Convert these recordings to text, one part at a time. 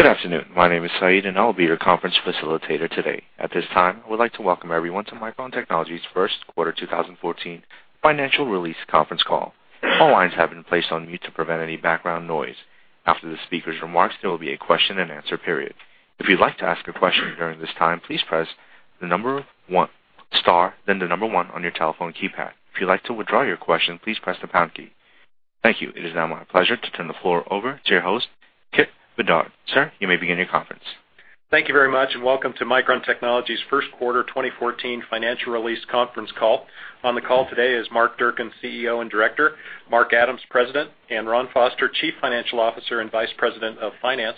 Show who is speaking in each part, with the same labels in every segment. Speaker 1: Good afternoon. My name is Saeed, and I will be your conference facilitator today. At this time, I would like to welcome everyone to Micron Technology's first quarter 2014 financial release conference call. All lines have been placed on mute to prevent any background noise. After the speaker's remarks, there will be a question and answer period. If you'd like to ask a question during this time, please press star then the number 1 on your telephone keypad. If you'd like to withdraw your question, please press the pound key. Thank you. It is now my pleasure to turn the floor over to your host, Kipp Bedard. Sir, you may begin your conference.
Speaker 2: Thank you very much. Welcome to Micron Technology's first quarter 2014 financial release conference call. On the call today is Mark Durcan, CEO and director, Mark Adams, President, and Ron Foster, Chief Financial Officer and Vice President of Finance.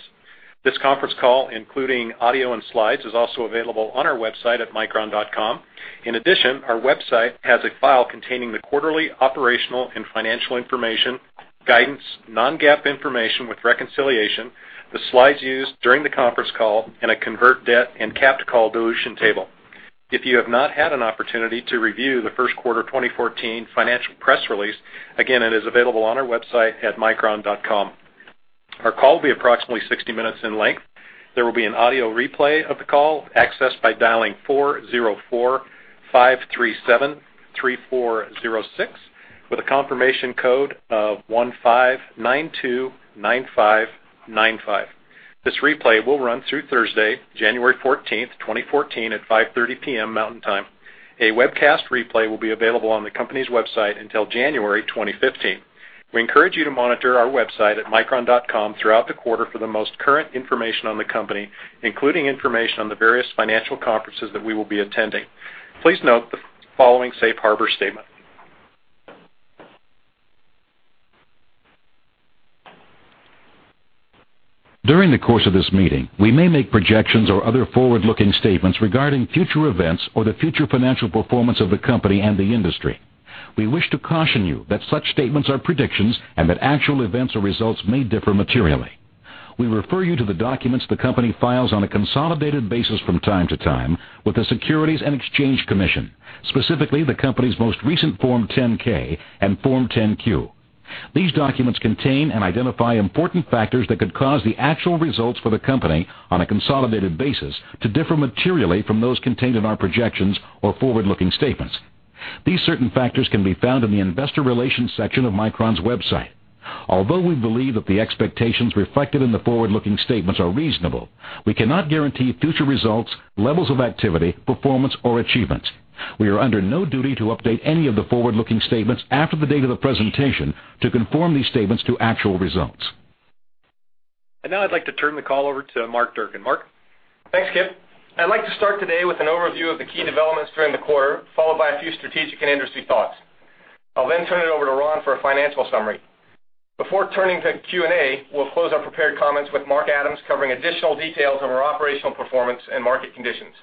Speaker 2: This conference call, including audio and slides, is also available on our website at micron.com. Our website has a file containing the quarterly operational and financial information, guidance, non-GAAP information with reconciliation, the slides used during the conference call, and a convert debt and capped call dilution table. You have not had an opportunity to review the first quarter 2014 financial press release, again, it is available on our website at micron.com. Our call will be approximately 60 minutes in length. There will be an audio replay of the call, accessed by dialing 404-537-3406 with a confirmation code of 15929595. This replay will run through Thursday, January 14, 2014, at 5:30 P.M. Mountain Time. A webcast replay will be available on the company's website until January 2015. We encourage you to monitor our website at micron.com throughout the quarter for the most current information on the company, including information on the various financial conferences that we will be attending. Please note the following safe harbor statement. During the course of this meeting, we may make projections or other forward-looking statements regarding future events or the future financial performance of the company and the industry. We wish to caution you that such statements are predictions and that actual events or results may differ materially. We refer you to the documents the company files on a consolidated basis from time to time with the Securities and Exchange Commission, specifically the company's most recent Form 10-K and Form 10-Q. These documents contain and identify important factors that could cause the actual results for the company, on a consolidated basis, to differ materially from those contained in our projections or forward-looking statements. These certain factors can be found in the investor relations section of Micron's website. Although we believe that the expectations reflected in the forward-looking statements are reasonable, we cannot guarantee future results, levels of activity, performance, or achievements. We are under no duty to update any of the forward-looking statements after the date of the presentation to conform these statements to actual results. Now I'd like to turn the call over to Mark Durcan. Mark?
Speaker 3: Thanks, Kipp. I'd like to start today with an overview of the key developments during the quarter, followed by a few strategic and industry thoughts. I'll then turn it over to Ron for a financial summary. Before turning to Q&A, we'll close our prepared comments with Mark Adams covering additional details on our operational performance and market conditions.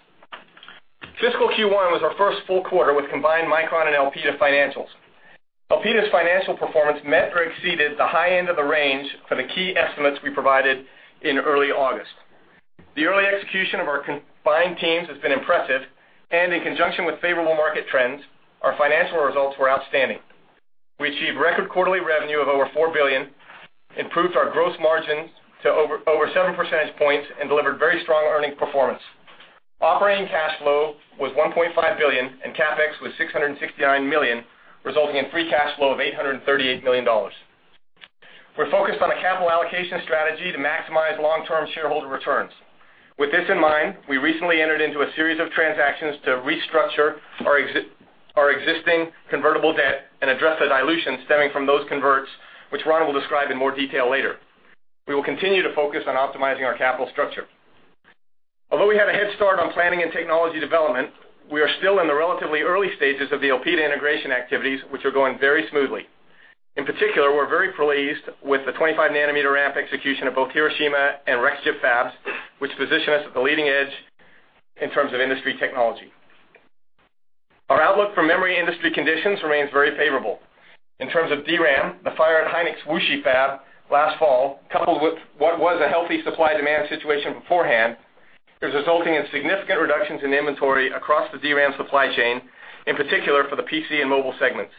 Speaker 3: Fiscal Q1 was our first full quarter with combined Micron and Elpida financials. Elpida's financial performance met or exceeded the high end of the range for the key estimates we provided in early August. The early execution of our combined teams has been impressive, and in conjunction with favorable market trends, our financial results were outstanding. We achieved record quarterly revenue of over $4 billion, improved our gross margins to over seven percentage points, and delivered very strong earnings performance. Operating cash flow was $1.5 billion, and CapEx was $669 million, resulting in free cash flow of $838 million. We're focused on a capital allocation strategy to maximize long-term shareholder returns. With this in mind, we recently entered into a series of transactions to restructure our existing convertible debt and address the dilution stemming from those converts, which Ron will describe in more detail later. We will continue to focus on optimizing our capital structure. Although we had a head start on planning and technology development, we are still in the relatively early stages of the Elpida integration activities, which are going very smoothly. In particular, we're very pleased with the 25 nanometer ramp execution of both Hiroshima and Rexchip fabs, which position us at the leading edge in terms of industry technology. Our outlook for memory industry conditions remains very favorable. In terms of DRAM, the fire at SK Hynix's Wuxi fab last fall, coupled with what was a healthy supply-demand situation beforehand, is resulting in significant reductions in inventory across the DRAM supply chain, in particular for the PC and mobile segments.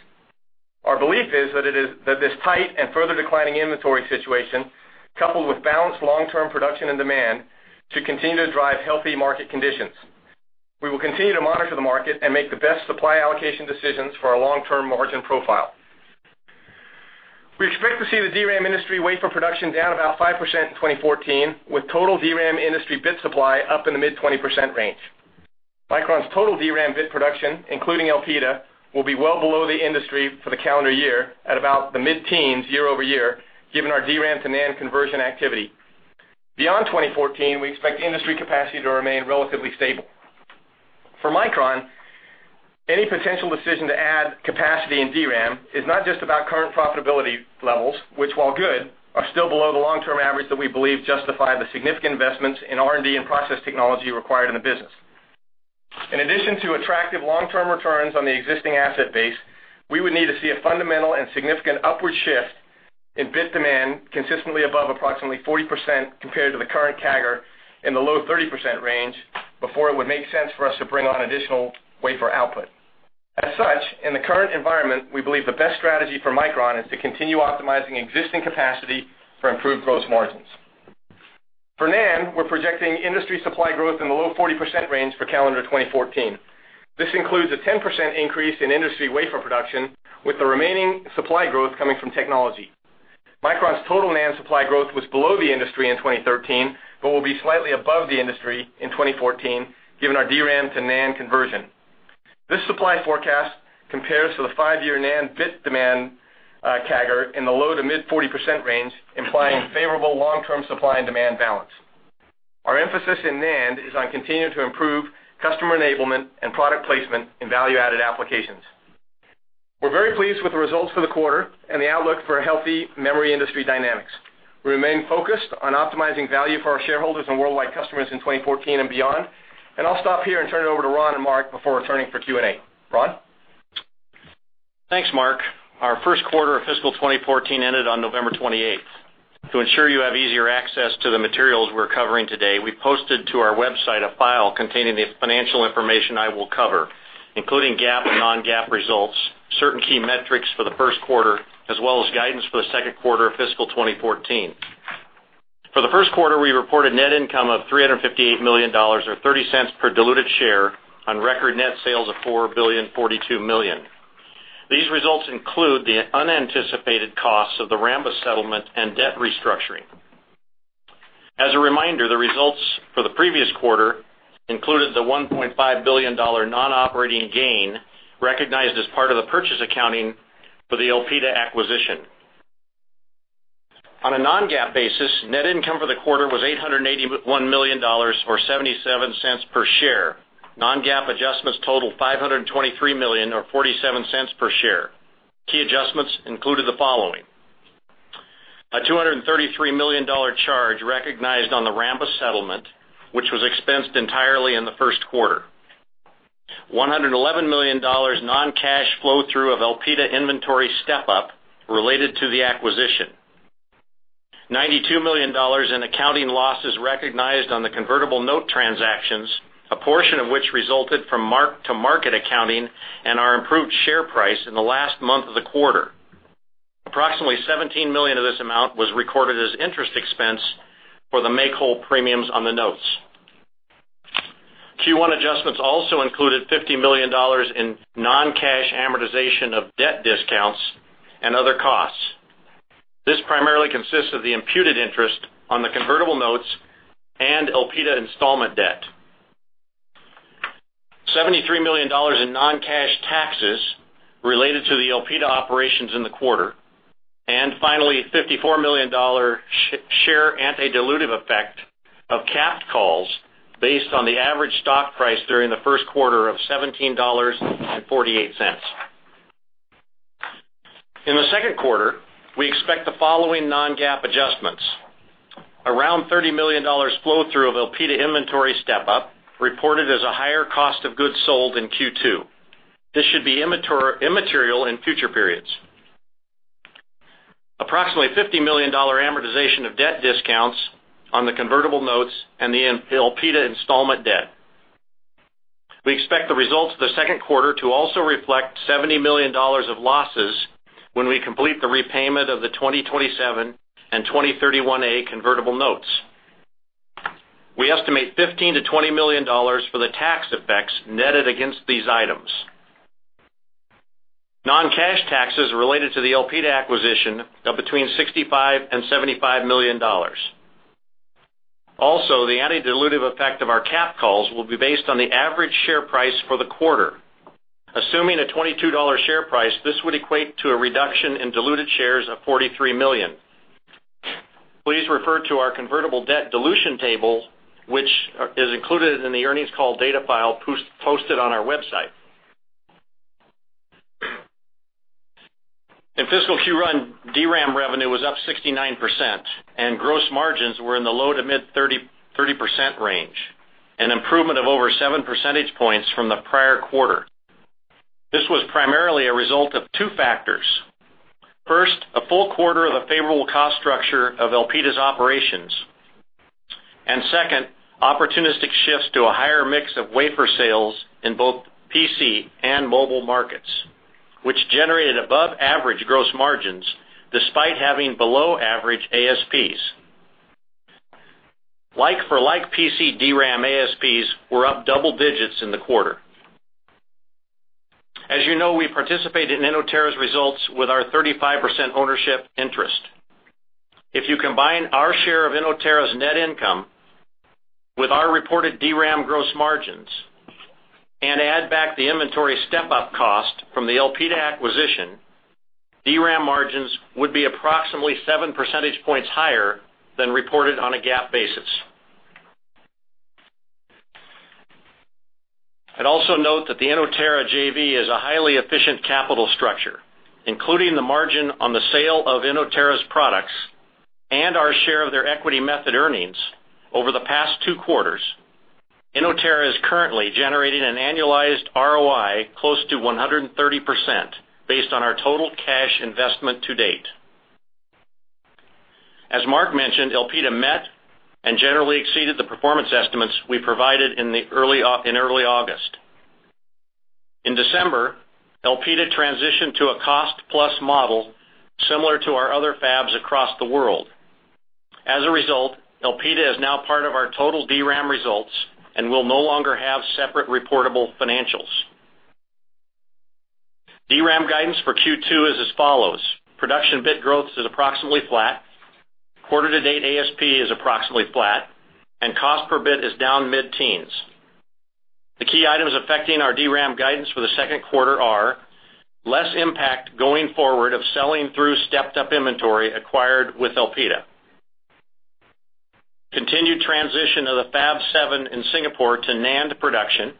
Speaker 3: Our belief is that this tight and further declining inventory situation, coupled with balanced long-term production and demand, should continue to drive healthy market conditions. We will continue to monitor the market and make the best supply allocation decisions for our long-term margin profile. We expect to see the DRAM industry wafer production down about 5% in 2014, with total DRAM industry bit supply up in the mid-20% range. Micron's total DRAM bit production, including Elpida, will be well below the industry for the calendar year at about the mid-teens year-over-year, given our DRAM to NAND conversion activity. Beyond 2014, we expect industry capacity to remain relatively stable. For Micron, any potential decision to add capacity in DRAM is not just about current profitability levels, which, while good, are still below the long-term average that we believe justify the significant investments in R&D and process technology required in the business. In addition to attractive long-term returns on the existing asset base, we would need to see a fundamental and significant upward shift in bit demand consistently above approximately 40% compared to the current CAGR in the low 30% range before it would make sense for us to bring on additional wafer output. As such, in the current environment, we believe the best strategy for Micron is to continue optimizing existing capacity for improved gross margins. For NAND, we're projecting industry supply growth in the low 40% range for calendar 2014. This includes a 10% increase in industry wafer production, with the remaining supply growth coming from technology. Micron's total NAND supply growth was below the industry in 2013, but will be slightly above the industry in 2014, given our DRAM-to-NAND conversion. This supply forecast compares to the five-year NAND bit demand CAGR in the low to mid 40% range, implying favorable long-term supply and demand balance. Our emphasis in NAND is on continuing to improve customer enablement and product placement in value-added applications. We're very pleased with the results for the quarter and the outlook for healthy memory industry dynamics. We remain focused on optimizing value for our shareholders and worldwide customers in 2014 and beyond. I'll stop here and turn it over to Ron and Mark before returning for Q&A. Ron?
Speaker 4: Thanks, Mark. Our first quarter of fiscal 2014 ended on November 28th. To ensure you have easier access to the materials we're covering today, we posted to our website a file containing the financial information I will cover, including GAAP and non-GAAP results, certain key metrics for the first quarter, as well as guidance for the second quarter of fiscal 2014. For the first quarter, we reported net income of $358 million, or $0.30 per diluted share on record net sales of $4,042 million. These results include the unanticipated costs of the Rambus settlement and debt restructuring. As a reminder, the results for the previous quarter included the $1.5 billion non-operating gain recognized as part of the purchase accounting for the Elpida acquisition. On a non-GAAP basis, net income for the quarter was $881 million, or $0.77 per share. Non-GAAP adjustments totaled $523 million, or $0.47 per share. Key adjustments included the following: A $233 million charge recognized on the Rambus settlement, which was expensed entirely in the first quarter. $111 million non-cash flow through of Elpida inventory step-up related to the acquisition. $92 million in accounting losses recognized on the convertible note transactions, a portion of which resulted from mark-to-market accounting and our improved share price in the last month of the quarter. Approximately $17 million of this amount was recorded as interest expense for the make-whole premiums on the notes. Q1 adjustments also included $50 million in non-cash amortization of debt discounts and other costs. This primarily consists of the imputed interest on the convertible notes and Elpida installment debt. $73 million in non-cash taxes related to the Elpida operations in the quarter. Finally, $54 million share anti-dilutive effect of capped calls based on the average stock price during the first quarter of $17.48. In the second quarter, we expect the following Non-GAAP adjustments. Around $30 million flow-through of Elpida inventory step-up reported as a higher cost of goods sold in Q2. This should be immaterial in future periods. Approximately $50 million amortization of debt discounts on the convertible notes and the Elpida installment debt. We expect the results of the second quarter to also reflect $70 million of losses when we complete the repayment of the 2027 and 2031A convertible notes. We estimate $15 million to $20 million for the tax effects netted against these items. Non-cash taxes related to the Elpida acquisition of between $65 million and $75 million. Also, the anti-dilutive effect of our capped calls will be based on the average share price for the quarter. Assuming a $22 share price, this would equate to a reduction in diluted shares of 43 million. Please refer to our convertible debt dilution table, which is included in the earnings call data file posted on our website. In fiscal Q1, DRAM revenue was up 69%, and gross margins were in the low to mid 30% range, an improvement of over seven percentage points from the prior quarter. This was primarily a result of two factors. First, a full quarter of the favorable cost structure of Elpida's operations. Second, opportunistic shifts to a higher mix of wafer sales in both PC and mobile markets, which generated above-average gross margins despite having below-average ASPs. Like-for-like PC DRAM ASPs were up double digits in the quarter. As you know, we participate in Inotera's results with our 35% ownership interest. If you combine our share of Inotera's net income with our reported DRAM gross margins and add back the inventory step-up cost from the Elpida acquisition, DRAM margins would be approximately seven percentage points higher than reported on a GAAP basis. I'd also note that the Inotera JV is a highly efficient capital structure, including the margin on the sale of Inotera's products and our share of their equity method earnings over the past two quarters. Inotera is currently generating an annualized ROI close to 130% based on our total cash investment to date. As Mark mentioned, Elpida met and generally exceeded the performance estimates we provided in early August. In December, Elpida transitioned to a cost-plus model similar to our other fabs across the world. As a result, Elpida is now part of our total DRAM results and will no longer have separate reportable financials. DRAM guidance for Q2 is as follows. Production bit growth is approximately flat, quarter-to-date ASP is approximately flat, and cost per bit is down high single digits. The key items affecting our DRAM guidance for the second quarter are less impact going forward of selling through stepped-up inventory acquired with Elpida, continued transition of the Fab 7 in Singapore to NAND production,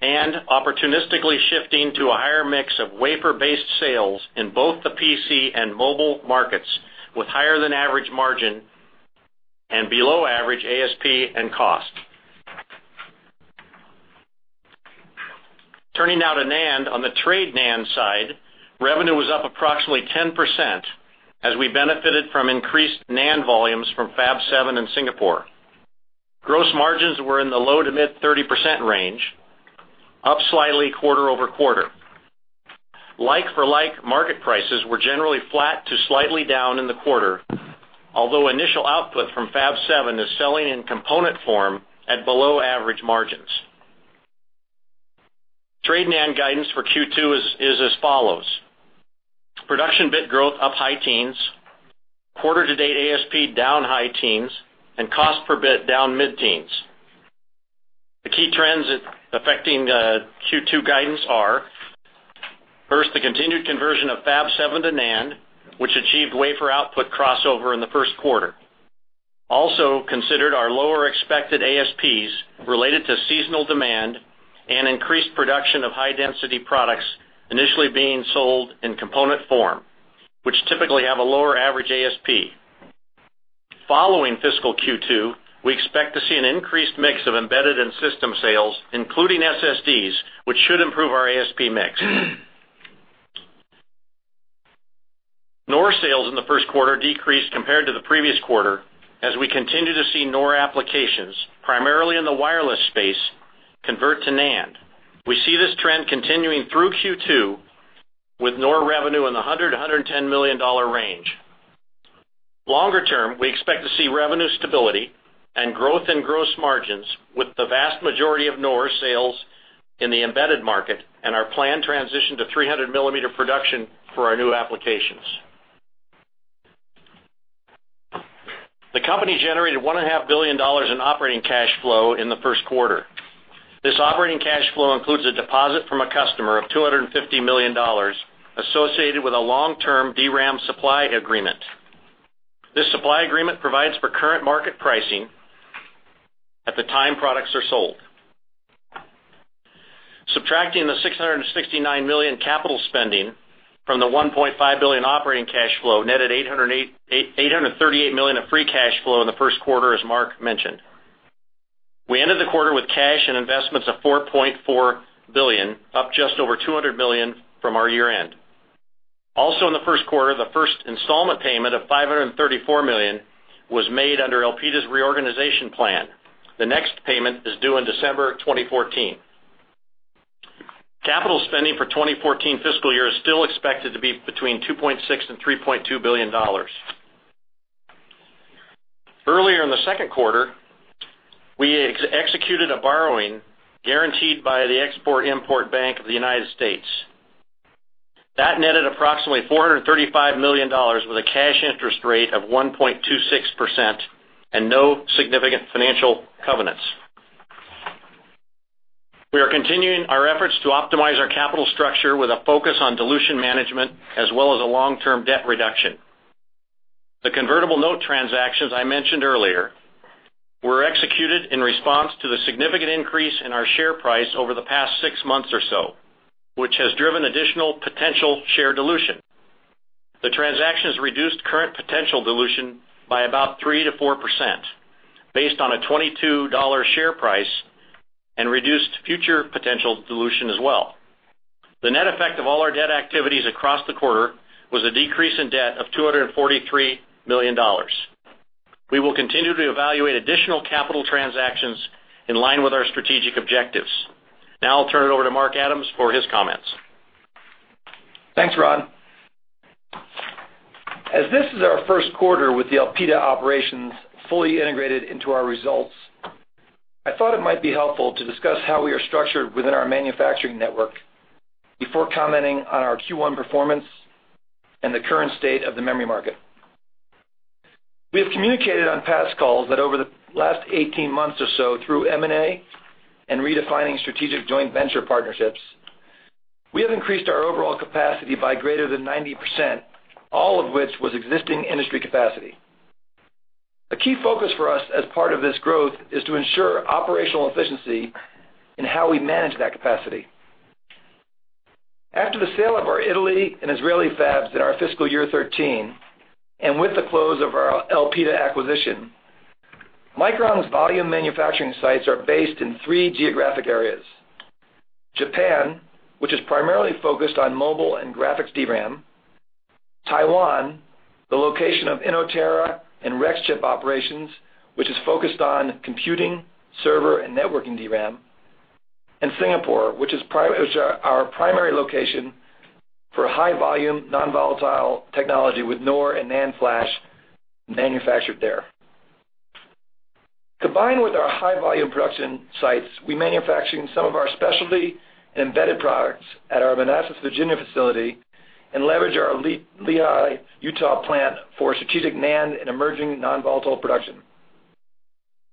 Speaker 4: and opportunistically shifting to a higher mix of wafer-based sales in both the PC and mobile markets, with higher-than-average margin and below-average ASP and cost. Turning now to NAND, on the trade NAND side, revenue was up approximately 10% as we benefited from increased NAND volumes from Fab 7 in Singapore. Gross margins were in the low to mid-30% range, up slightly quarter-over-quarter. Like-for-like market prices were generally flat to slightly down in the quarter, although initial output from Fab 7 is selling in component form at below-average margins. Trade NAND guidance for Q2 is as follows. Production bit growth up high teens, quarter-to-date ASP down high teens, and cost per bit down high single digits. The key trends affecting Q2 guidance are, first, the continued conversion of Fab 7 to NAND, which achieved wafer output crossover in the first quarter. Also considered are lower expected ASPs related to seasonal demand and increased production of high-density products initially being sold in component form, which typically have a lower average ASP. Following fiscal Q2, we expect to see an increased mix of embedded and system sales, including SSDs, which should improve our ASP mix. NOR sales in the first quarter decreased compared to the previous quarter, as we continue to see NOR applications, primarily in the wireless space, convert to NAND. We see this trend continuing through Q2 with NOR revenue in the $100 million-$110 million range. Longer term, we expect to see revenue stability and growth in gross margins with the vast majority of NOR sales in the embedded market and our planned transition to 300-millimeter production for our new applications. The company generated $1.5 billion in operating cash flow in the first quarter. This operating cash flow includes a deposit from a customer of $250 million associated with a long-term DRAM supply agreement. This supply agreement provides for current market pricing at the time products are sold. Subtracting the $669 million capital spending from the $1.5 billion operating cash flow netted $838 million of free cash flow in the first quarter, as Mark mentioned. We ended the quarter with cash and investments of $4.4 billion, up just over $200 million from our year-end. Also in the first quarter, the first installment payment of $534 million was made under Elpida's reorganization plan. The next payment is due in December 2014. Capital spending for 2014 fiscal year is still expected to be between $2.6 and $3.2 billion. Earlier in the second quarter, we executed a borrowing guaranteed by the Export-Import Bank of the United States. That netted approximately $435 million with a cash interest rate of 1.26% and no significant financial covenants. We are continuing our efforts to optimize our capital structure with a focus on dilution management as well as a long-term debt reduction. The convertible note transactions I mentioned earlier were executed in response to the significant increase in our share price over the past six months or so, which has driven additional potential share dilution. The transactions reduced current potential dilution by about 3%-4%, based on a $22 share price, and reduced future potential dilution as well. The net effect of all our debt activities across the quarter was a decrease in debt of $243 million. We will continue to evaluate additional capital transactions in line with our strategic objectives. Now I'll turn it over to Mark Adams for his comments.
Speaker 5: Thanks, Ron. As this is our first quarter with the Elpida operations fully integrated into our results, I thought it might be helpful to discuss how we are structured within our manufacturing network before commenting on our Q1 performance and the current state of the memory market. We have communicated on past calls that over the last 18 months or so, through M&A and redefining strategic joint venture partnerships, we have increased our overall capacity by greater than 90%, all of which was existing industry capacity. A key focus for us as part of this growth is to ensure operational efficiency in how we manage that capacity. After the sale of our Italy and Israeli fabs in our fiscal year 2013, and with the close of our Elpida acquisition, Micron's volume manufacturing sites are based in three geographic areas: Japan, which is primarily focused on mobile and graphics DRAM. Taiwan, the location of Inotera and Rexchip operations, which is focused on computing, server, and networking DRAM. Singapore, which is our primary location for high-volume, non-volatile technology, with NOR and NAND flash manufactured there. Combined with our high-volume production sites, we manufacture some of our specialty and embedded products at our Manassas, Virginia, facility and leverage our Lehi, Utah, plant for strategic NAND and emerging non-volatile production.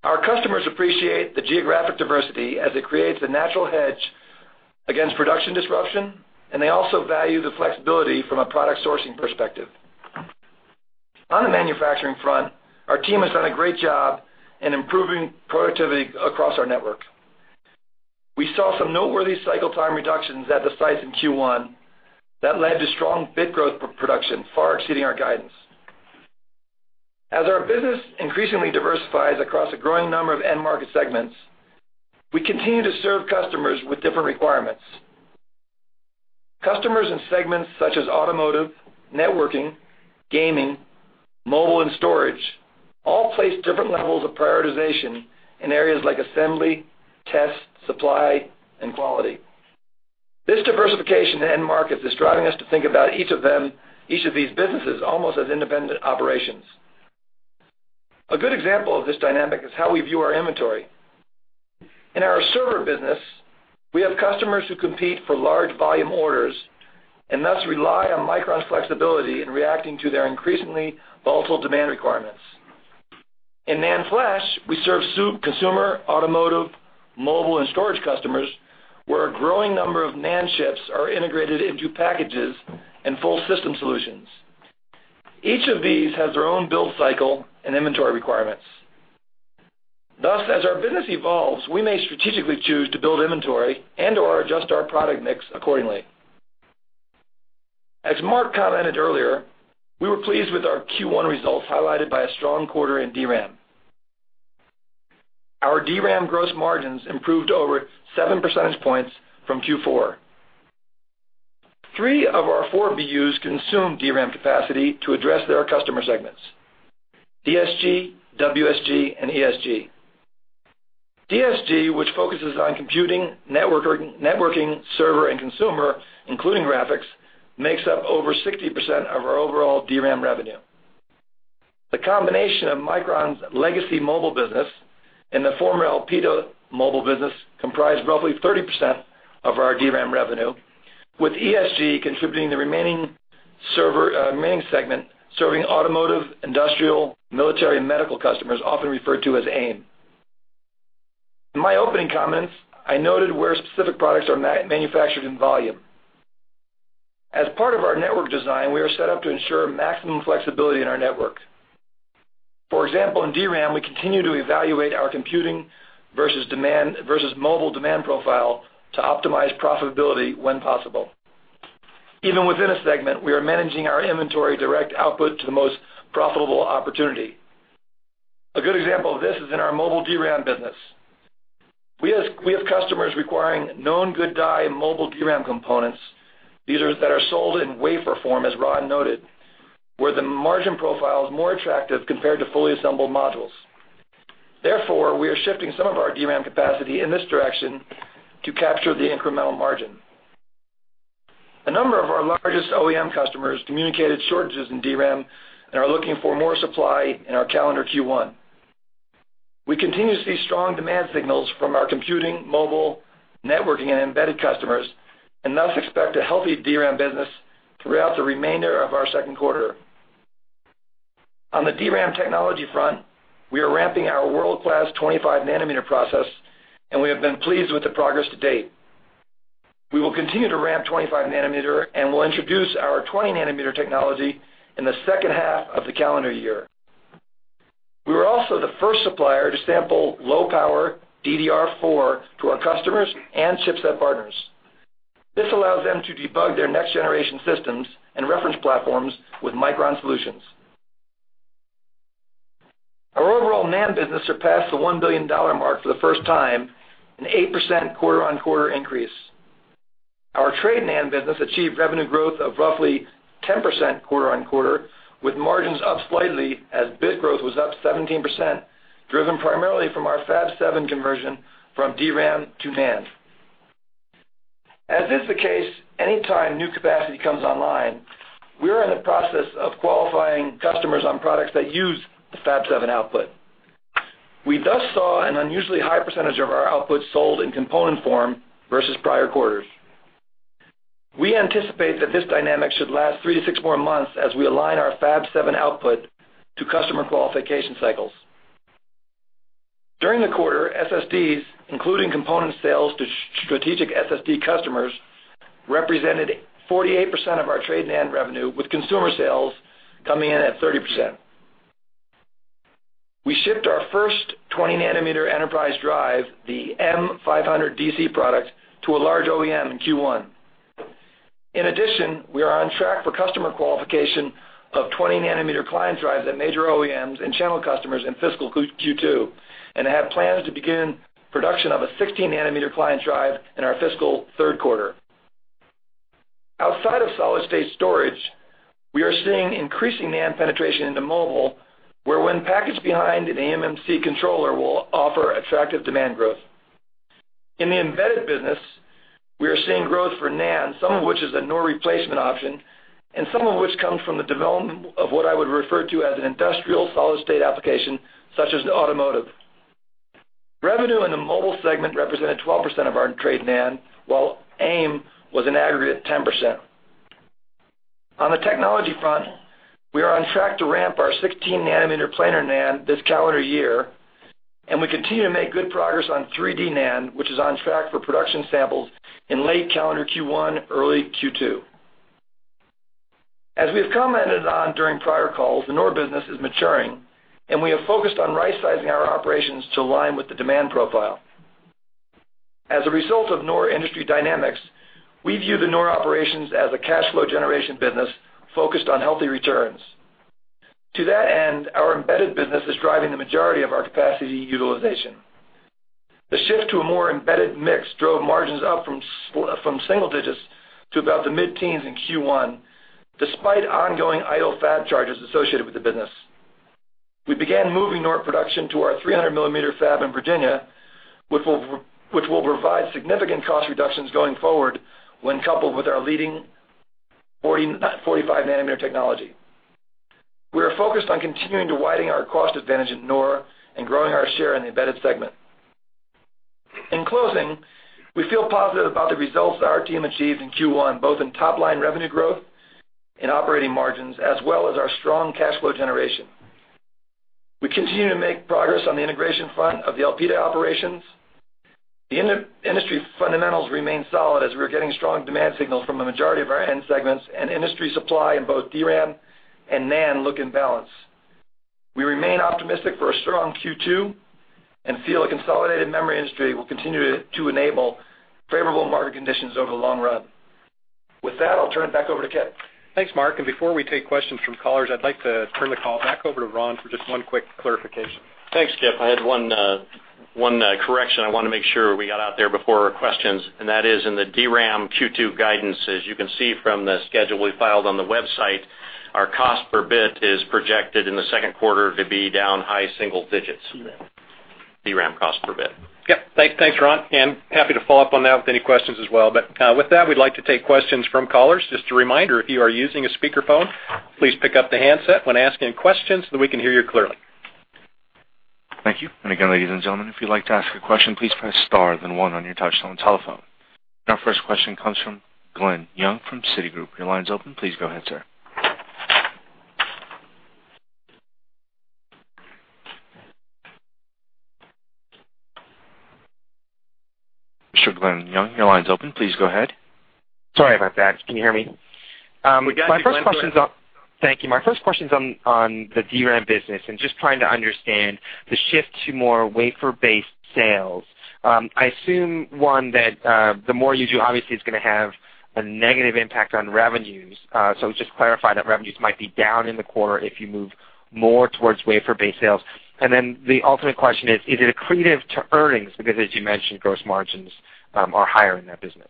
Speaker 5: Our customers appreciate the geographic diversity as it creates a natural hedge against production disruption, and they also value the flexibility from a product sourcing perspective. On the manufacturing front, our team has done a great job in improving productivity across our network. We saw some noteworthy cycle time reductions at the sites in Q1 that led to strong bit growth production, far exceeding our guidance. As our business increasingly diversifies across a growing number of end market segments, we continue to serve customers with different requirements. Customers in segments such as automotive, networking, gaming, mobile, and storage all place different levels of prioritization in areas like assembly, test, supply, and quality. This diversification in end markets is driving us to think about each of these businesses almost as independent operations. A good example of this dynamic is how we view our inventory. In our server business, we have customers who compete for large volume orders, and thus rely on Micron's flexibility in reacting to their increasingly volatile demand requirements. In NAND flash, we serve consumer, automotive, mobile, and storage customers, where a growing number of NAND chips are integrated into packages and full system solutions. Each of these has their own build cycle and inventory requirements. As our business evolves, we may strategically choose to build inventory and/or adjust our product mix accordingly. As Mark commented earlier, we were pleased with our Q1 results, highlighted by a strong quarter in DRAM. Our DRAM gross margins improved over 7 percentage points from Q4. 3 of our 4 BUs consume DRAM capacity to address their customer segments, DSG, WSG, and ESG. DSG, which focuses on computing, networking, server, and consumer, including graphics, makes up over 60% of our overall DRAM revenue. The combination of Micron's legacy mobile business and the former Elpida mobile business comprise roughly 30% of our DRAM revenue, with ESG contributing the remaining segment, serving automotive, industrial, military, and medical customers, often referred to as AIM. In my opening comments, I noted where specific products are manufactured in volume. As part of our network design, we are set up to ensure maximum flexibility in our network. For example, in DRAM, we continue to evaluate our computing versus mobile demand profile to optimize profitability when possible. Even within a segment, we are managing our inventory direct output to the most profitable opportunity. A good example of this is in our mobile DRAM business. We have customers requiring known good die mobile DRAM components. These are sold in wafer form, as Ron noted, where the margin profile is more attractive compared to fully assembled modules. We are shifting some of our DRAM capacity in this direction to capture the incremental margin. A number of our largest OEM customers communicated shortages in DRAM and are looking for more supply in our calendar Q1. We continue to see strong demand signals from our computing, mobile, networking, and embedded customers, expect a healthy DRAM business throughout the remainder of our second quarter. On the DRAM technology front, we are ramping our world-class 25 nanometer process, we have been pleased with the progress to date. We will continue to ramp 25 nanometer and will introduce our 20 nanometer technology in the second half of the calendar year. We were also the first supplier to sample low-power DDR4 to our customers and chipset partners. This allows them to debug their next-generation systems and reference platforms with Micron solutions. Our overall NAND business surpassed the $1 billion mark for the first time, an 8% quarter-on-quarter increase. Our trade NAND business achieved revenue growth of roughly 10% quarter-on-quarter, with margins up slightly as bit growth was up 17%, driven primarily from our Fab 7 conversion from DRAM to NAND. As is the case anytime new capacity comes online, we are in the process of qualifying customers on products that use the Fab 7 output. We saw an unusually high percentage of our output sold in component form versus prior quarters. We anticipate that this dynamic should last 3 to 6 more months as we align our Fab 7 output to customer qualification cycles. During the quarter, SSDs, including component sales to strategic SSD customers, represented 48% of our trade NAND revenue, with consumer sales coming in at 30%. We shipped our first 20 nanometer enterprise drive, the M500DC product, to a large OEM in Q1. In addition, we are on track for customer qualification of 20 nanometer client drives at major OEMs and channel customers in fiscal Q2, and have plans to begin production of a 16 nanometer client drive in our fiscal third quarter. Outside of solid-state storage, we are seeing increasing NAND penetration into mobile, where when packaged behind an eMMC controller will offer attractive demand growth. In the embedded business, we are seeing growth for NAND, some of which is a NOR replacement option, and some of which comes from the development of what I would refer to as an industrial solid-state application, such as the automotive. Revenue in the mobile segment represented 12% of our trade NAND, while AIM was an aggregate 10%. On the technology front, we are on track to ramp our 16 nanometer planar NAND this calendar year, and we continue to make good progress on 3D NAND, which is on track for production samples in late calendar Q1, early Q2. As we've commented on during prior calls, the NOR business is maturing, and we have focused on right-sizing our operations to align with the demand profile. As a result of NOR industry dynamics, we view the NOR operations as a cash flow generation business focused on healthy returns. To that end, our embedded business is driving the majority of our capacity utilization. The shift to a more embedded mix drove margins up from single digits to about the mid-teens in Q1, despite ongoing idle fab charges associated with the business. We began moving NOR production to our 300-millimeter fab in Virginia, which will provide significant cost reductions going forward when coupled with our leading 45 nanometer technology. We are focused on continuing to widen our cost advantage at NOR and growing our share in the embedded segment. In closing, we feel positive about the results that our team achieved in Q1, both in top-line revenue growth, in operating margins, as well as our strong cash flow generation. We continue to make progress on the integration front of the Elpida operations. The industry fundamentals remain solid as we are getting strong demand signals from the majority of our end segments, and industry supply in both DRAM and NAND look in balance. We remain optimistic for a strong Q2, and feel a consolidated memory industry will continue to enable favorable market conditions over the long run. With that, I'll turn it back over to Kip.
Speaker 2: Thanks, Mark. Before we take questions from callers, I'd like to turn the call back over to Ron for just one quick clarification.
Speaker 4: Thanks, Kipp. I had one correction I want to make sure we got out there before questions, that is in the DRAM Q2 guidance. As you can see from the schedule we filed on the website, our cost per bit is projected in the second quarter to be down high single digits. DRAM cost per bit.
Speaker 2: Yep. Thanks, Ron. Happy to follow up on that with any questions as well. With that, we'd like to take questions from callers. Just a reminder, if you are using a speakerphone, please pick up the handset when asking questions so that we can hear you clearly.
Speaker 1: Thank you. Again, ladies and gentlemen, if you'd like to ask a question, please press star then one on your touchtone telephone. Our first question comes from Glen Yeung from Citigroup. Your line's open. Please go ahead, sir. Mr. Glen Yeung, your line's open. Please go ahead.
Speaker 6: Sorry about that. Can you hear me?
Speaker 2: We got you, Glen. Go ahead.
Speaker 6: Thank you. My first question's on the DRAM business and just trying to understand the shift to more wafer-based sales. I assume, one, that the more you do, obviously, it's going to have a negative impact on revenues. Just clarify that revenues might be down in the quarter if you move more towards wafer-based sales. The ultimate question is it accretive to earnings? Because as you mentioned, gross margins are higher in that business.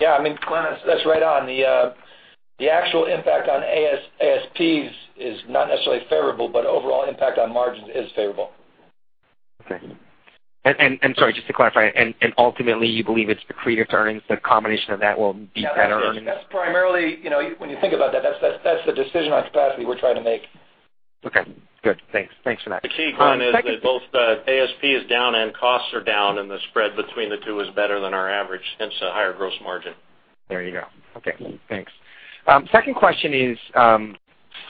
Speaker 5: Yeah, Glen, that's right on. The actual impact on ASPs is not necessarily favorable, but overall impact on margins is favorable.
Speaker 6: Okay. Sorry, just to clarify, and ultimately, you believe it's accretive to earnings, the combination of that will be better earnings?
Speaker 5: That's primarily, when you think about that's the decision on capacity we're trying to make.
Speaker 6: Okay, good. Thanks. Thanks for that.
Speaker 4: The key, Glen, is that both the ASP is down and costs are down, and the spread between the two is better than our average, hence a higher gross margin.
Speaker 6: There you go. Okay, thanks. Second question is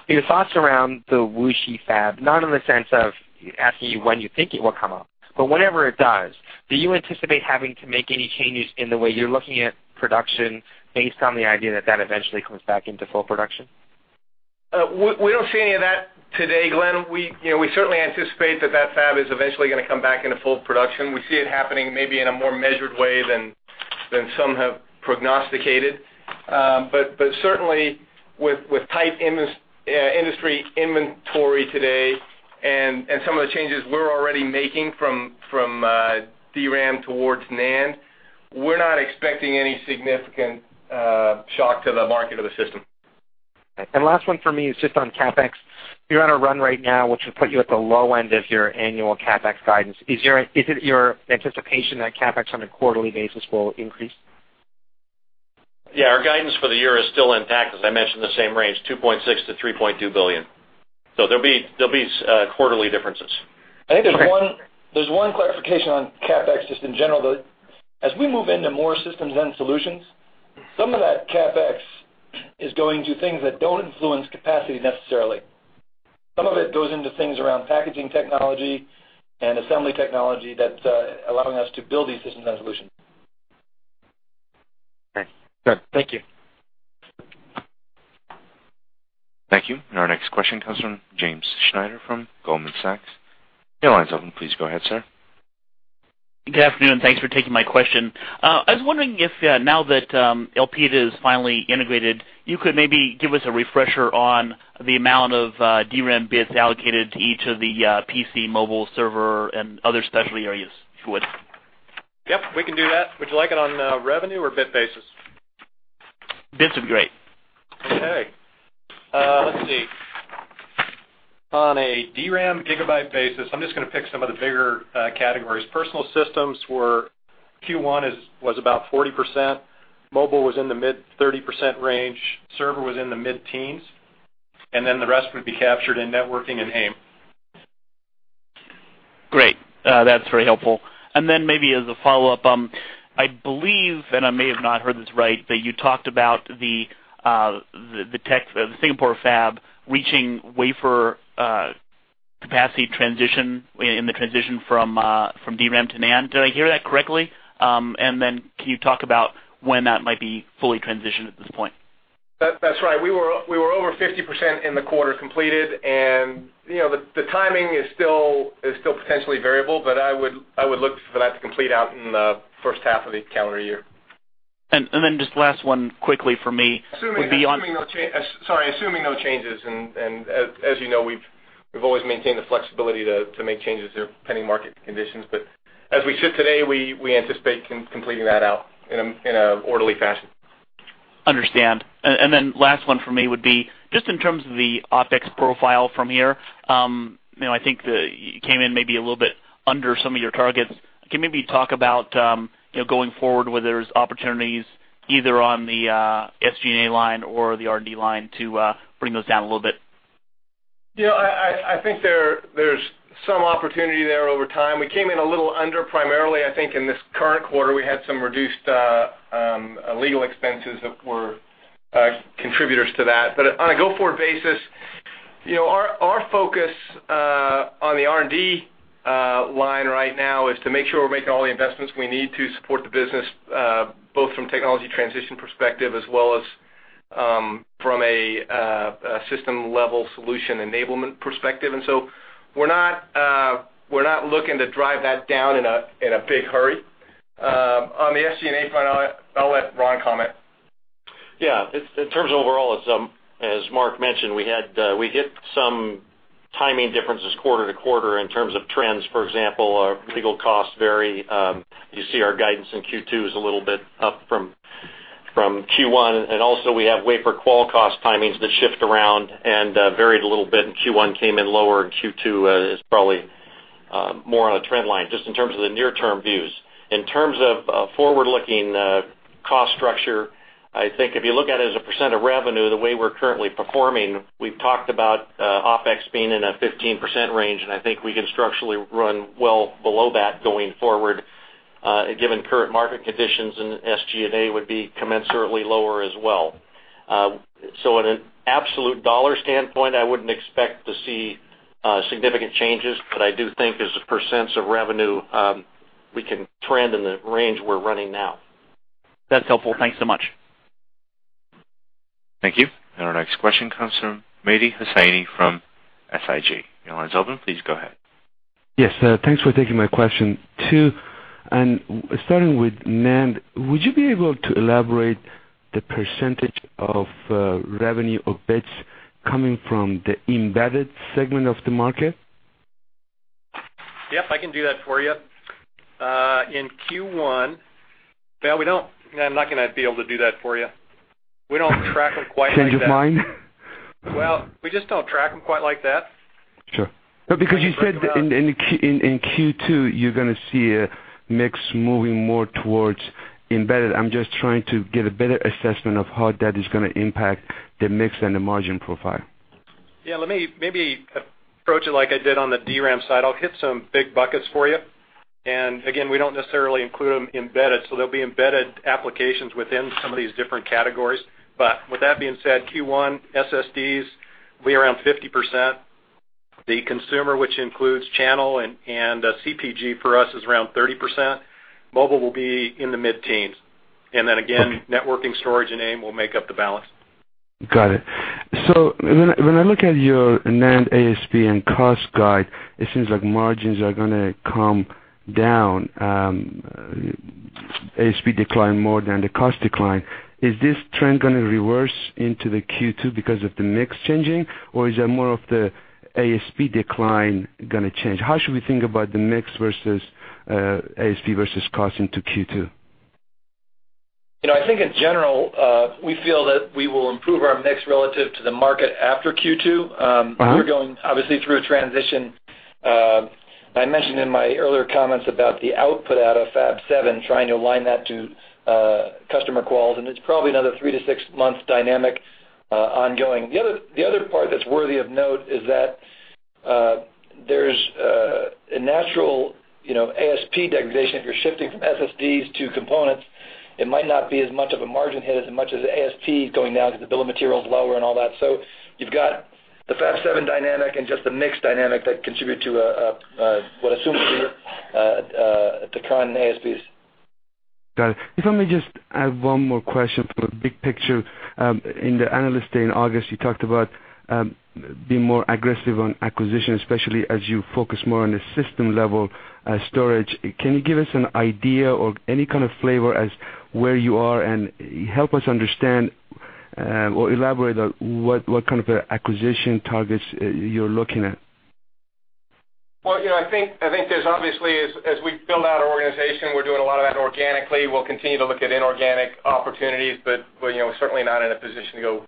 Speaker 6: your thoughts around the Wuxi fab, not in the sense of asking you when you think it will come up, but whenever it does, do you anticipate having to make any changes in the way you're looking at production based on the idea that that eventually comes back into full production?
Speaker 5: We don't see any of that today, Glen. We certainly anticipate that fab is eventually going to come back into full production. We see it happening maybe in a more measured way than some have prognosticated. Certainly, with tight industry inventory today and some of the changes we're already making from DRAM towards NAND, we're not expecting any significant shock to the market or the system.
Speaker 6: Last one for me is just on CapEx. You're on a run right now, which would put you at the low end of your annual CapEx guidance. Is it your anticipation that CapEx on a quarterly basis will increase?
Speaker 4: Yeah, our guidance for the year is still intact, as I mentioned, the same range, $2.6 billion-$3.2 billion. There'll be quarterly differences.
Speaker 5: I think there's one clarification on CapEx just in general, though. As we move into more systems and solutions, some of that CapEx is going to things that don't influence capacity necessarily. Some of it goes into things around packaging technology and assembly technology that's allowing us to build these systems and solutions.
Speaker 6: Okay, good. Thank you.
Speaker 1: Thank you. Our next question comes from James Schneider from Goldman Sachs. Your line's open. Please go ahead, sir.
Speaker 7: Good afternoon. Thanks for taking my question. I was wondering if, now that Elpida is finally integrated, you could maybe give us a refresher on the amount of DRAM bits allocated to each of the PC mobile server and other specialty areas, if you would.
Speaker 2: Yep, we can do that. Would you like it on a revenue or bit basis?
Speaker 7: Bits would be great.
Speaker 2: Okay. Let's see. On a DRAM gigabyte basis, I'm just going to pick some of the bigger categories. Personal systems where Q1 was about 40%, mobile was in the mid 30% range, server was in the mid-teens, the rest would be captured in networking and AIM.
Speaker 7: Great. That's very helpful. Then maybe as a follow-up, I believe, and I may have not heard this right, that you talked about the Singapore fab reaching wafer capacity transition in the transition from DRAM to NAND. Did I hear that correctly? Then can you talk about when that might be fully transitioned at this point?
Speaker 2: That's right. We were over 50% in the quarter completed, and the timing is still potentially variable, but I would look for that to complete out in the first half of the calendar year.
Speaker 7: Just last one quickly for me would be on.
Speaker 2: Sorry, assuming no changes, and as you know, we've always maintained the flexibility to make changes depending on market conditions, but as we sit today, we anticipate completing that out in an orderly fashion.
Speaker 7: Understand. Last one for me would be just in terms of the OpEx profile from here. I think you came in maybe a little bit under some of your targets. Can maybe you talk about going forward, whether there's opportunities either on the SG&A line or the R&D line to bring those down a little bit?
Speaker 2: I think there's some opportunity there over time. We came in a little under, primarily, I think in this current quarter, we had some reduced legal expenses that were contributors to that. On a go-forward basis, our focus on the R&D line right now is to make sure we're making all the investments we need to support the business, both from technology transition perspective as well as from a system-level solution enablement perspective. We're not looking to drive that down in a big hurry. On the SG&A front, I'll let Ron comment.
Speaker 4: Yeah. In terms overall, as Mark mentioned, we hit some timing differences quarter to quarter in terms of trends. For example, our legal costs vary. You see our guidance in Q2 is a little bit up from Q1. Also we have wafer qual cost timings that shift around and varied a little bit. Q1 came in lower. Q2 is probably more on a trend line, just in terms of the near-term views. In terms of forward-looking cost structure, I think if you look at it as a % of revenue, the way we're currently performing, we've talked about OpEx being in a 15% range. I think we can structurally run well below that going forward, given current market conditions. SG&A would be commensurately lower as well. In an absolute dollar standpoint, I wouldn't expect to see significant changes, but I do think as a % of revenue, we can trend in the range we're running now.
Speaker 7: That's helpful. Thanks so much.
Speaker 1: Thank you. Our next question comes from Mehdi Hosseini from SIG. Your line is open. Please go ahead.
Speaker 8: Yes. Thanks for taking my question too. Starting with NAND, would you be able to elaborate the percentage of revenue of bits coming from the embedded segment of the market?
Speaker 2: Yep, I can do that for you. In Q1, well, I'm not going to be able to do that for you. We don't track them quite like that.
Speaker 8: Change of mind?
Speaker 2: Well, we just don't track them quite like that.
Speaker 8: Sure. Because you said in Q2, you're going to see a mix moving more towards embedded. I'm just trying to get a better assessment of how that is going to impact the mix and the margin profile.
Speaker 2: Yeah, let me maybe approach it like I did on the DRAM side. I'll hit some big buckets for you. Again, we don't necessarily include them embedded, so there'll be embedded applications within some of these different categories. With that being said, Q1 SSDs, we are around 50%. The consumer, which includes channel and CPG for us, is around 30%. Mobile will be in the mid-teens. Then again, networking, storage, and AIM will make up the balance.
Speaker 8: Got it. When I look at your NAND ASP and cost guide, it seems like margins are going to come down. ASP decline more than the cost decline. Is this trend going to reverse into Q2 because of the mix changing, or is it more of the ASP decline going to change? How should we think about the mix versus ASP versus cost into Q2?
Speaker 5: I think in general, we feel that we will improve our mix relative to the market after Q2. We're going, obviously, through a transition. I mentioned in my earlier comments about the output out of Fab 7, trying to align that to customer quals, and it's probably another three to six months dynamic ongoing. The other part that's worthy of note is that there's a natural ASP degradation. If you're shifting from SSDs to components, it might not be as much of a margin hit as much as ASP going down because the bill of material is lower and all that. You've got the Fab 7 dynamic and just the mix dynamic that contribute to what assumes to be a decline in ASPs.
Speaker 8: Got it. If I may just add one more question for the big picture. In the Analyst Day in August, you talked about being more aggressive on acquisition, especially as you focus more on the system-level storage. Can you give us an idea or any kind of flavor as where you are, and help us understand or elaborate on what kind of acquisition targets you're looking at?
Speaker 3: Well, I think there's obviously, as we build out our organization, we're doing a lot of that organically. We'll continue to look at inorganic opportunities, but we're certainly not in a position to go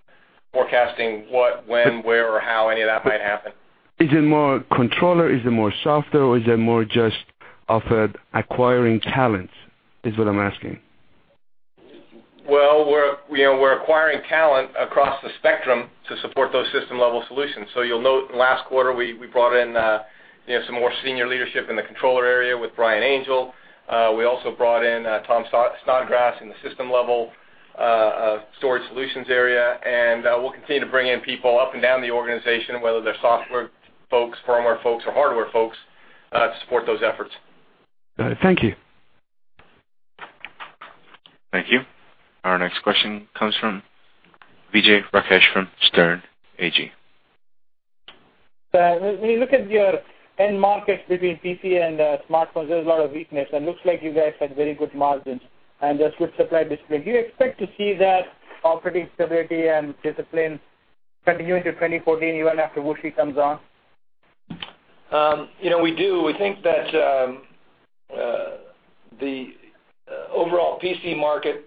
Speaker 3: forecasting what, when, where, or how any of that might happen.
Speaker 8: Is it more controller, is it more software, or is it more just of acquiring talent? Is what I'm asking.
Speaker 3: Well, we're acquiring talent across the spectrum to support those system-level solutions. You'll note in the last quarter, we brought in some more senior leadership in the controller area with Brian Angell. We also brought in Thomas Snodgrass in the system level storage solutions area. We'll continue to bring in people up and down the organization, whether they're software folks, firmware folks, or hardware folks, to support those efforts.
Speaker 8: Got it. Thank you.
Speaker 1: Thank you. Our next question comes from Vijay Rakesh from Sterne Agee.
Speaker 9: When you look at your end markets between PC and smartphones, there's a lot of weakness. It looks like you guys had very good margins and a good supply display. Do you expect to see that operating stability and discipline continuing through 2014, even after Wuxi comes on?
Speaker 5: We do. We think that the overall PC market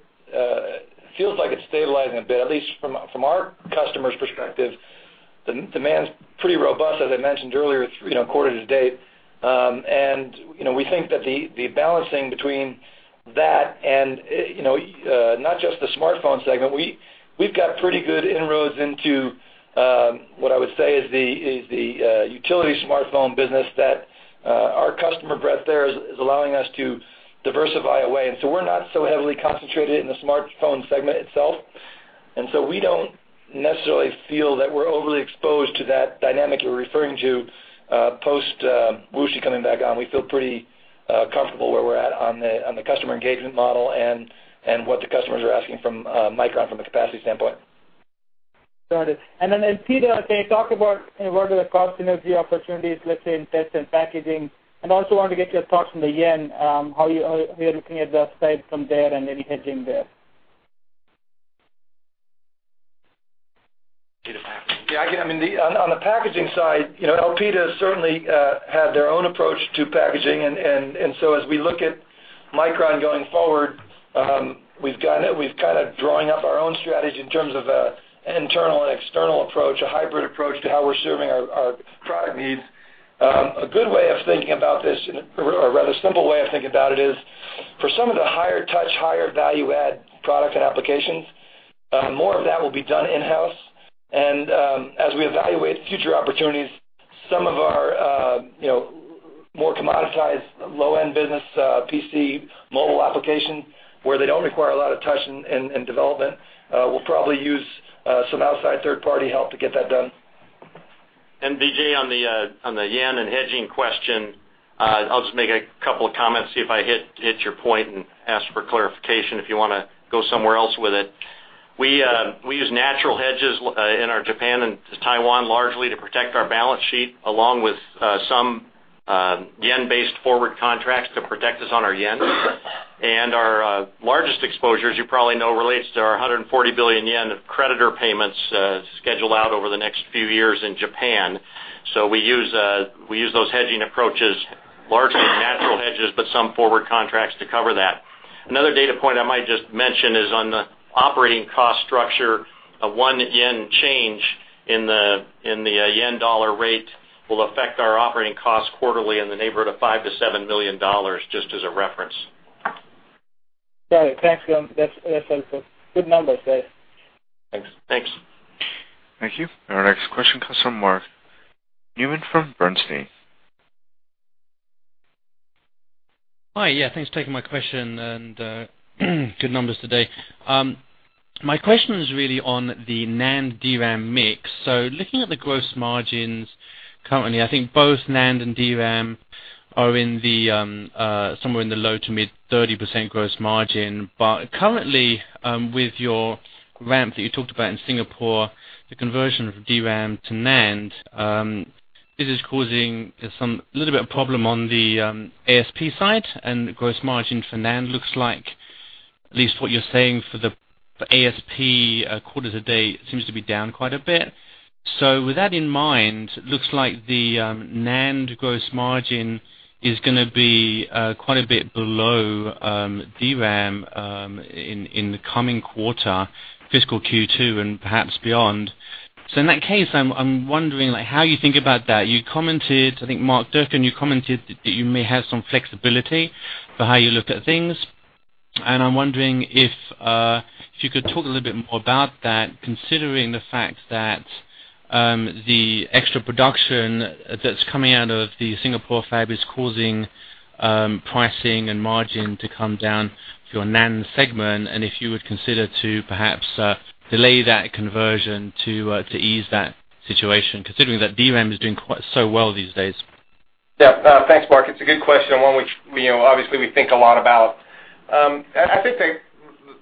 Speaker 5: feels like it's stabilizing a bit, at least from our customers' perspective. Demand's pretty robust, as I mentioned earlier, quarter to date. We think that the balancing between that and not just the smartphone segment, we've got pretty good inroads into what I would say is the utility smartphone business that our customer breadth there is allowing us to diversify away. We're not so heavily concentrated in the smartphone segment itself. We don't necessarily feel that we're overly exposed to that dynamic you're referring to post-Wuxi coming back on. We feel pretty comfortable where we're at on the customer engagement model and what the customers are asking from Micron from a capacity standpoint.
Speaker 9: Got it. Elpida, can you talk about what are the cost synergy opportunities, let's say, in test and packaging? Also wanted to get your thoughts on the JPY, how you're looking at the side from there and any hedging there.
Speaker 5: On the packaging side, Elpida certainly had their own approach to packaging. As we look at Micron going forward, we've drawn up our own strategy in terms of an internal and external approach, a hybrid approach to how we're serving our product needs. A good way of thinking about this, or rather a simple way of thinking about it is, for some of the higher touch, higher value-add product and applications, more of that will be done in-house. As we evaluate future opportunities, some of our more commoditized low-end business PC mobile application, where they don't require a lot of touch and development, we'll probably use some outside third-party help to get that done.
Speaker 4: Vijay, on the yen and hedging question, I'll just make a couple of comments, see if I hit your point and ask for clarification if you want to go somewhere else with it. We use natural hedges in our Japan and Taiwan largely to protect our balance sheet, along with some yen-based forward contracts to protect us on our yen. Our largest exposure, as you probably know, relates to our ¥140 billion of creditor payments scheduled out over the next few years in Japan. We use those hedging approaches, largely natural hedges, but some forward contracts to cover that. Another data point I might just mention is on the operating cost structure, a one yen change in the yen-dollar rate will affect our operating costs quarterly in the neighborhood of $5 million-$7 million, just as a reference.
Speaker 9: Got it. Thanks, Glenn. That's helpful. Good numbers there.
Speaker 5: Thanks.
Speaker 4: Thanks.
Speaker 1: Thank you. Our next question comes from Mark Newman from Bernstein.
Speaker 10: Hi. Thanks for taking my question, good numbers today. My question is really on the NAND DRAM mix. Looking at the gross margins currently, I think both NAND and DRAM are somewhere in the low to mid 30% gross margin. Currently, with your ramp that you talked about in Singapore, the conversion of DRAM to NAND, this is causing a little bit of problem on the ASP side, gross margin for NAND looks like, at least what you're saying for ASP quarters to date, seems to be down quite a bit. With that in mind, looks like the NAND gross margin is going to be quite a bit below DRAM in the coming quarter, fiscal Q2 and perhaps beyond. In that case, I'm wondering how you think about that. You commented, I think Mark Durcan, you commented that you may have some flexibility for how you looked at things. I'm wondering if you could talk a little bit more about that, considering the fact that the extra production that's coming out of the Singapore fab is causing pricing and margin to come down for your NAND segment, and if you would consider to perhaps delay that conversion to ease that situation, considering that DRAM is doing so well these days.
Speaker 3: Yeah. Thanks, Mark. It's a good question, one which obviously we think a lot about. I think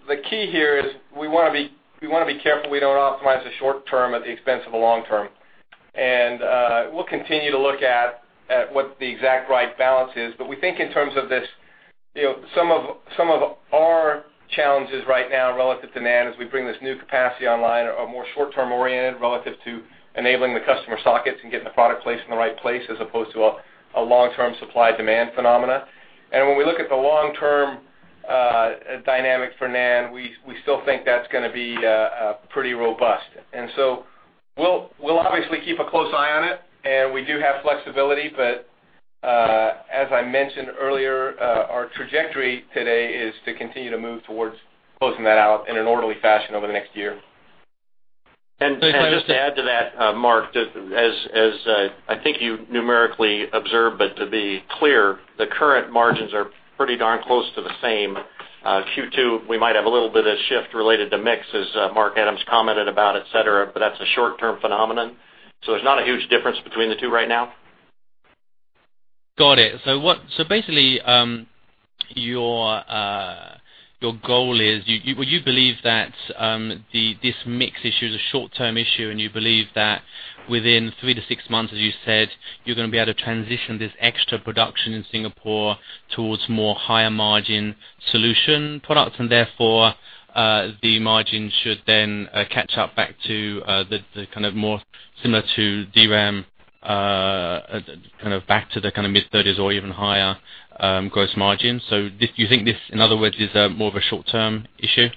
Speaker 3: the key here is we want to be careful we don't optimize the short term at the expense of the long term. We'll continue to look at what the exact right balance is, but we think in terms of this, some of our challenges right now relative to NAND as we bring this new capacity online, are more short-term oriented relative to enabling the customer sockets and getting the product placed in the right place, as opposed to a long-term supply-demand phenomena. When we look at the long-term dynamic for NAND, we still think that's going to be pretty robust. We'll obviously keep a close eye on it, and we do have flexibility, but as I mentioned earlier, our trajectory today is to continue to move towards closing that out in an orderly fashion over the next year.
Speaker 4: Just to add to that, Mark, as I think you numerically observed, to be clear, the current margins are pretty darn close to the same. Q2, we might have a little bit of shift related to mix as Mark Adams commented about, et cetera, but that's a short-term phenomenon. There's not a huge difference between the two right now.
Speaker 10: Basically, your goal is, you believe that this mix issue is a short-term issue. You believe that within three to six months, as you said, you're going to be able to transition this extra production in Singapore towards more higher-margin solution products. Therefore, the margin should then catch up back to more similar to DRAM, back to the mid-30s or even higher gross margin. Do you think this, in other words, is more of a short-term issue?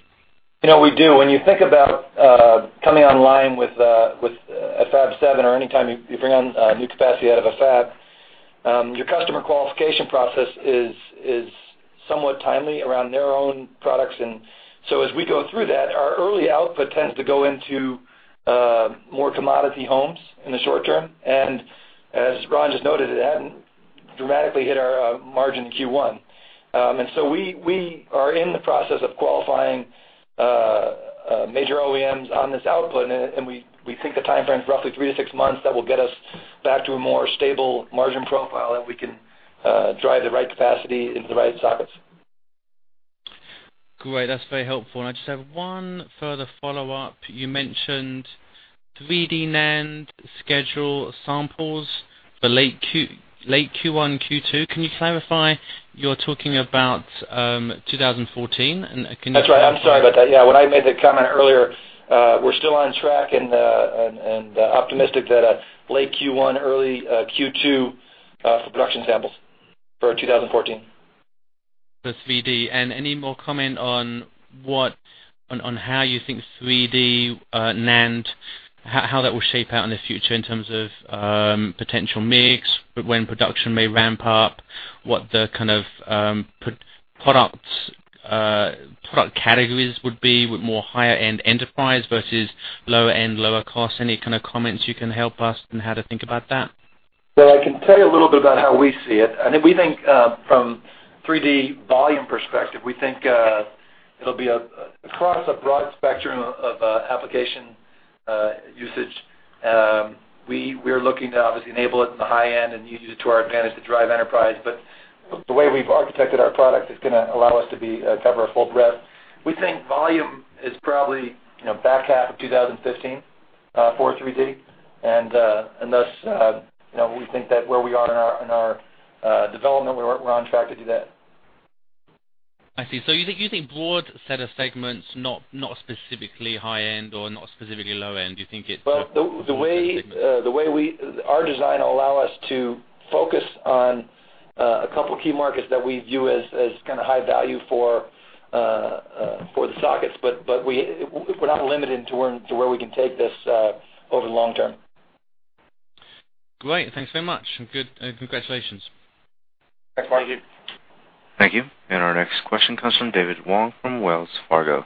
Speaker 5: We do. When you think about coming online with a Fab 7 or anytime you bring on new capacity out of a fab, your customer qualification process is somewhat timely around their own products. As we go through that, our early output tends to go into more commodity homes in the short term. As Ron just noted, it hadn't dramatically hit our margin in Q1. We are in the process of qualifying major OEMs on this output, and we think the timeframe is roughly three to six months, that will get us back to a more stable margin profile that we can drive the right capacity into the right sockets.
Speaker 10: Great. That's very helpful. I just have one further follow-up. You mentioned 3D NAND schedule samples for late Q1, Q2. Can you clarify, you're talking about 2014? Can you
Speaker 5: That's right. I'm sorry about that. When I made the comment earlier, we're still on track and optimistic that late Q1, early Q2 for production samples for 2014.
Speaker 10: For 3D. Any more comment on how you think 3D NAND, how that will shape out in the future in terms of potential mix, when production may ramp up, what the kind of product categories would be with more higher-end enterprise versus lower end, lower cost? Any kind of comments you can help us on how to think about that?
Speaker 5: Well, I can tell you a little bit about how we see it. I think we think from 3D volume perspective, we think it'll be across a broad spectrum of application usage. We are looking to obviously enable it in the high end and use it to our advantage to drive enterprise. The way we've architected our product is going to allow us to cover a full breadth. We think volume is probably back half of 2015 for 3D. Thus, we think that where we are in our development, we're on track to do that.
Speaker 10: I see. You think broad set of segments, not specifically high end or not specifically low end. Do you think it's?
Speaker 5: Well, the way our design allow us to focus on a couple key markets that we view as kind of high value for the sockets, but we're not limited to where we can take this over the long term.
Speaker 10: Great. Thank you so much. Congratulations.
Speaker 5: Thanks, Mark.
Speaker 1: Thank you. Our next question comes from David Wong from Wells Fargo.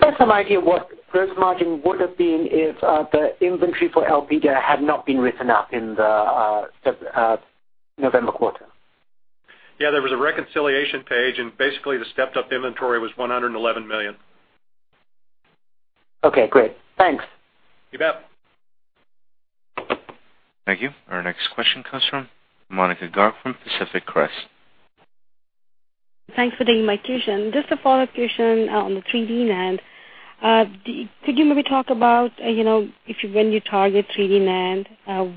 Speaker 11: Just some idea what gross margin would have been if the inventory for Elpida had not been written up in the November quarter?
Speaker 4: Yeah, there was a reconciliation page, basically, the stepped-up inventory was $111 million.
Speaker 11: Okay, great. Thanks.
Speaker 4: You bet.
Speaker 1: Thank you. Our next question comes from Monika Garg from Pacific Crest.
Speaker 12: Thanks for taking my question. Just a follow-up question on the 3D NAND. Could you maybe talk about when you target 3D NAND,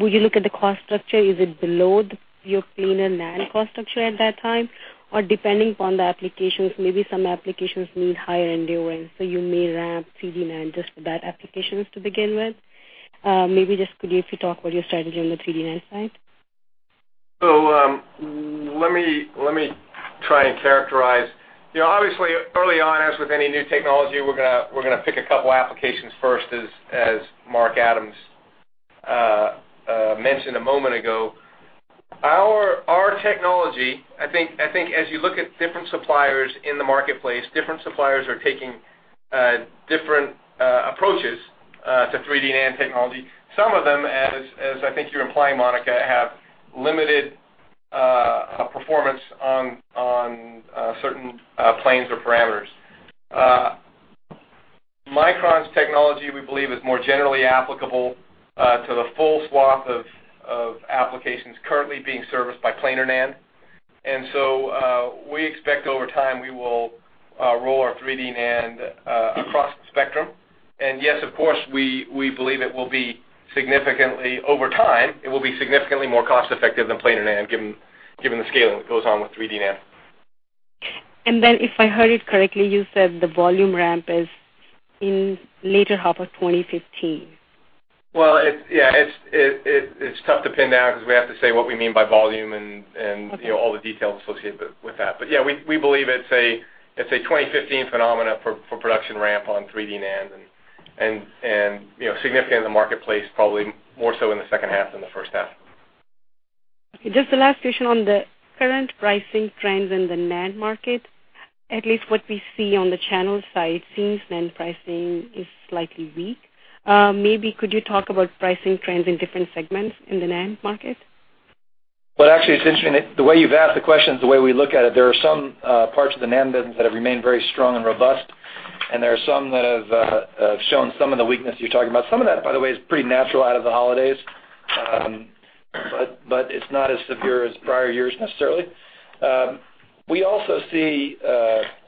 Speaker 12: will you look at the cost structure? Is it below your planar NAND cost structure at that time? Or depending upon the applications, maybe some applications need higher endurance, so you may ramp 3D NAND just for that applications to begin with. Maybe just could you talk what your strategy on the 3D NAND side?
Speaker 3: Let me try and characterize. Obviously, early on, as with any new technology, we're going to pick a couple applications first, as Mark Adams mentioned a moment ago. Our technology, I think as you look at different suppliers in the marketplace, different suppliers are taking different approaches to 3D NAND technology. Some of them, as I think you're implying, Monika, have limited performance on certain planes or parameters. Micron's technology, we believe, is more generally applicable to the full swath of applications currently being serviced by planar NAND. We expect over time we will roll our 3D NAND across the spectrum. Yes, of course, we believe over time, it will be significantly more cost-effective than planar NAND, given the scaling that goes on with 3D NAND.
Speaker 12: If I heard it correctly, you said the volume ramp is in later half of 2015.
Speaker 3: Well, it's tough to pin down because we have to say what we mean by volume. Okay All the details associated with that. Yeah, we believe it's a 2015 phenomena for production ramp on 3D NAND, and significant in the marketplace, probably more so in the second half than the first half.
Speaker 12: Okay. Just the last question on the current pricing trends in the NAND market. At least what we see on the channel side seems NAND pricing is slightly weak. Maybe could you talk about pricing trends in different segments in the NAND market?
Speaker 5: Well, actually, it's interesting. The way you've asked the question is the way we look at it. There are some parts of the NAND business that have remained very strong and robust, and there are some that have shown some of the weakness you're talking about. Some of that, by the way, is pretty natural out of the holidays. It's not as severe as prior years necessarily. We also see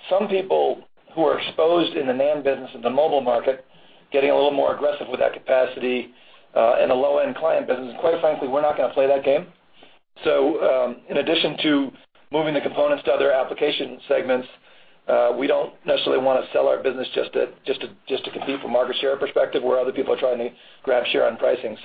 Speaker 5: some people who are exposed in the NAND business of the mobile market getting a little more aggressive with that capacity, and the low-end client business. Quite frankly, we're not going to play that game. In addition to moving the components to other application segments, we don't necessarily want to sell our business just to compete from a market share perspective where other people are trying to grab share on pricing.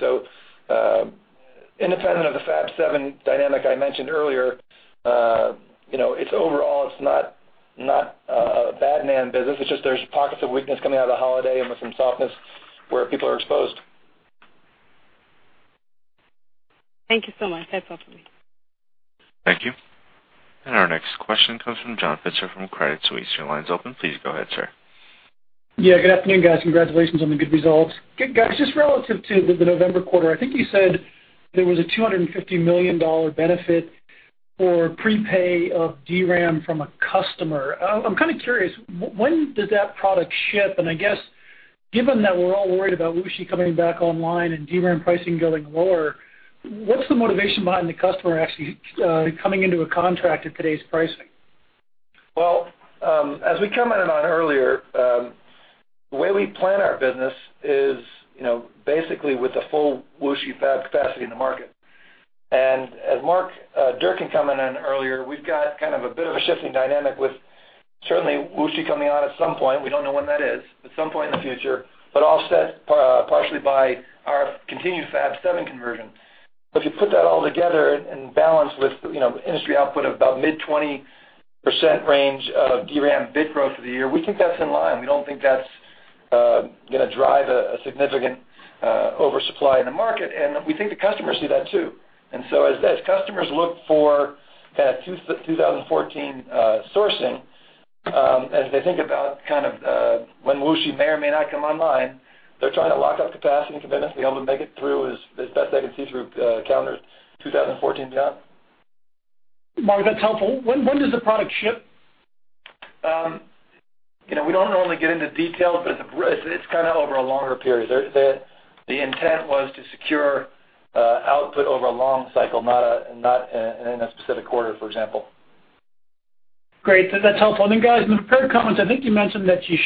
Speaker 5: Independent of the Fab 7 dynamic I mentioned earlier, overall, it's not a bad NAND business. It's just there's pockets of weakness coming out of the holiday and with some softness where people are exposed.
Speaker 12: Thank you so much. That's all for me.
Speaker 1: Thank you. Our next question comes from John Pitzer from Credit Suisse. Your line's open. Please go ahead, sir.
Speaker 13: Good afternoon, guys. Congratulations on the good results. Good. Guys, just relative to the November quarter, I think you said there was a $250 million benefit for prepay of DRAM from a customer. I'm kind of curious, when does that product ship? I guess given that we're all worried about Wuxi coming back online and DRAM pricing going lower, what's the motivation behind the customer actually coming into a contract at today's pricing?
Speaker 5: Well, as we commented on earlier, the way we plan our business is basically with the full Wuxi fab capacity in the market. As Mark Durcan commented on earlier, we've got kind of a bit of a shifting dynamic with certainly Wuxi coming on at some point. We don't know when that is, at some point in the future, but offset partially by our continued Fab 7 conversion. If you put that all together and balance with industry output of about mid-20% range of DRAM bit growth for the year, we think that's in line. We don't think that's going to drive a significant oversupply in the market, and we think the customers see that too. As customers look for that 2014 sourcing, as they think about when Wuxi may or may not come online, they're trying to lock up capacity and commitments to be able to make it through, as best they can see through calendars 2014 and beyond.
Speaker 13: Mark, that's helpful. When does the product ship?
Speaker 5: We don't normally get into details, but it's over a longer period. The intent was to secure output over a long cycle, not in a specific quarter, for example.
Speaker 13: Great. That's helpful. Guys, in the prepared comments, I think you mentioned that you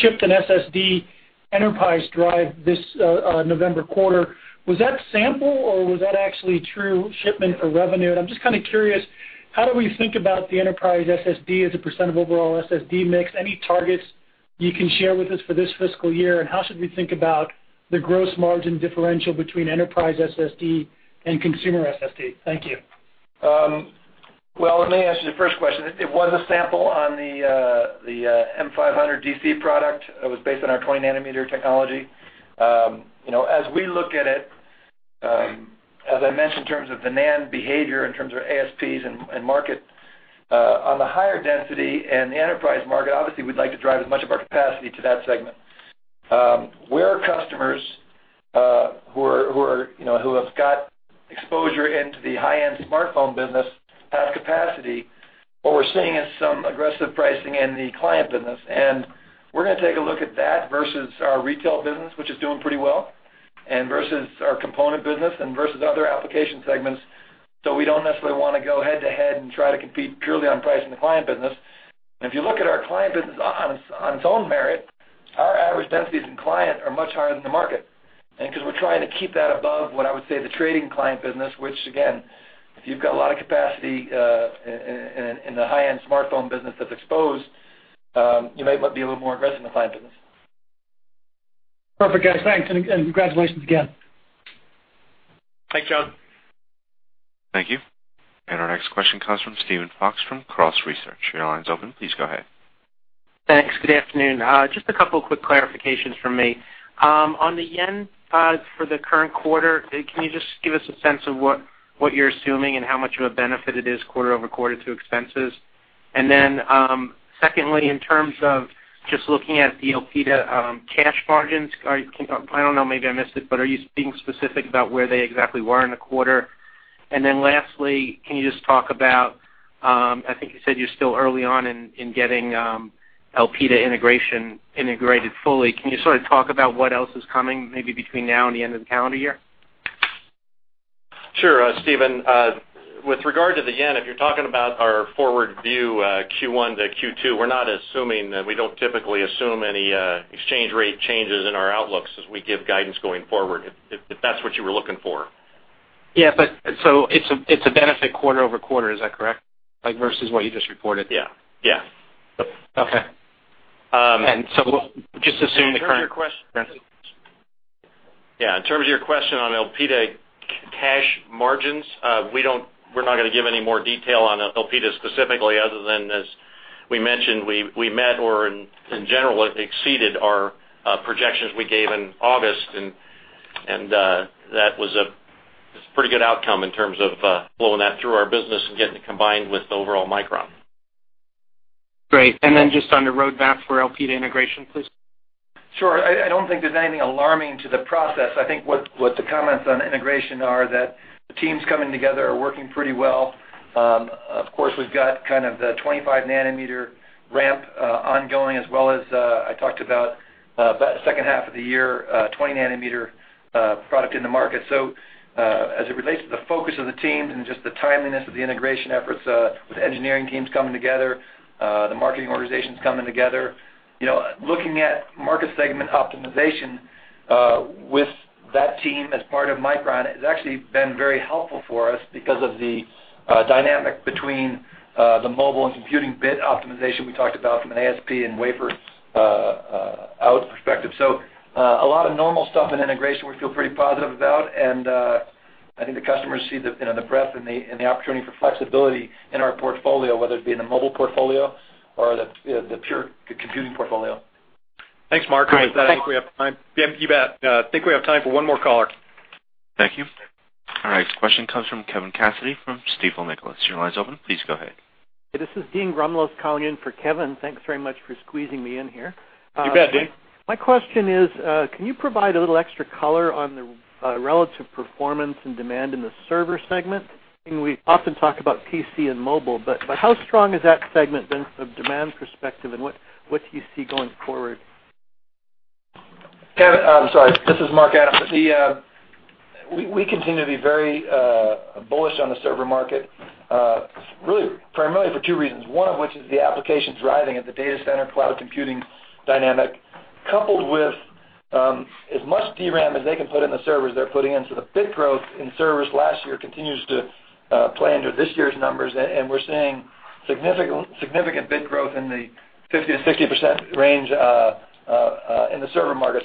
Speaker 13: shipped an SSD enterprise drive this November quarter. Was that sample, or was that actually true shipment for revenue? I'm just kind of curious, how do we think about the enterprise SSD as a % of overall SSD mix? Any targets you can share with us for this fiscal year, and how should we think about the gross margin differential between enterprise SSD and consumer SSD? Thank you.
Speaker 5: Well, let me answer the first question. It was a sample on the M500DC product. It was based on our 20 nanometer technology. As we look at it, as I mentioned in terms of the NAND behavior, in terms of ASPs and market, on the higher density and the enterprise market, obviously we'd like to drive as much of our capacity to that segment. Where customers who have got exposure into the high-end smartphone business have capacity, what we're seeing is some aggressive pricing in the client business, and we're going to take a look at that versus our retail business, which is doing pretty well, and versus our component business and versus other application segments. We don't necessarily want to go head-to-head and try to compete purely on price in the client business. If you look at our client business on its own merit, our average densities in client are much higher than the market. Because we're trying to keep that above what I would say the trading client business, which again, if you've got a lot of capacity in the high-end smartphone business that's exposed, you might want to be a little more aggressive in the client business.
Speaker 13: Perfect, guys. Thanks. Congratulations again.
Speaker 5: Thanks, John.
Speaker 1: Thank you. Our next question comes from Steven Fox from Cross Research. Your line's open. Please go ahead.
Speaker 14: Thanks. Good afternoon. Just a couple quick clarifications from me. On the JPY for the current quarter, can you just give us a sense of what you're assuming and how much of a benefit it is quarter-over-quarter to expenses? Secondly, in terms of just looking at the Elpida cash margins, I don't know, maybe I missed it, but are you being specific about where they exactly were in the quarter? Lastly, can you just talk about, I think you said you're still early on in getting Elpida integration integrated fully. Can you sort of talk about what else is coming, maybe between now and the end of the calendar year?
Speaker 4: Sure, Steven. With regard to the JPY, if you're talking about our forward view, Q1 to Q2, we don't typically assume any exchange rate changes in our outlooks as we give guidance going forward, if that's what you were looking for.
Speaker 14: Yeah, it's a benefit quarter-over-quarter, is that correct? Like versus what you just reported?
Speaker 4: Yeah.
Speaker 14: Yeah. Okay. Just assume the current-
Speaker 4: Yeah, in terms of your question on Elpida cash margins, we're not going to give any more detail on Elpida specifically other than, as we mentioned, we met or in general exceeded our projections we gave in August, and that was a pretty good outcome in terms of flowing that through our business and getting it combined with overall Micron.
Speaker 14: Great. Just on the roadmap for Elpida integration, please.
Speaker 5: Sure. I don't think there's anything alarming to the process. I think what the comments on integration are that the teams coming together are working pretty well. Of course, we've got kind of the 25 nanometer ramp ongoing as well as I talked about second half of the year, 20 nanometer product in the market. As it relates to the focus of the teams and just the timeliness of the integration efforts, with engineering teams coming together, the marketing organizations coming together, looking at market segment optimization, with that team as part of Micron, has actually been very helpful for us because of the dynamic between the mobile and computing bit optimization we talked about from an ASP and wafer out perspective. A lot of normal stuff in integration we feel pretty positive about. I think the customers see the breadth and the opportunity for flexibility in our portfolio, whether it be in the mobile portfolio or the pure computing portfolio.
Speaker 2: Thanks, Mark. Great. Thanks. With that, I think we have time. You bet. I think we have time for one more caller.
Speaker 1: Thank you. All right, this question comes from Kevin Cassidy from Stifel Nicolaus. Your line's open, please go ahead.
Speaker 15: Hey, this is Dean Rumelos calling in for Kevin. Thanks very much for squeezing me in here.
Speaker 4: You bet, Dean.
Speaker 15: My question is, can you provide a little extra color on the relative performance and demand in the server segment? I mean, we often talk about PC and mobile, but how strong is that segment been from demand perspective, and what do you see going forward?
Speaker 5: Yeah. I'm sorry. This is Mark Adams. We continue to be very bullish on the server market. Primarily for two reasons, one of which is the applications driving it, the data center cloud computing dynamic, coupled with as much DRAM as they can put in the servers they're putting in. The bit growth in servers last year continues to play into this year's numbers, and we're seeing significant bit growth in the 50%-60% range in the server market.